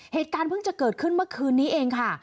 เหตุการณ์เพิ่งจะเกิดขึ้นเมื่อคืนนี้เองค่ะ